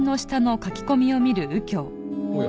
おや？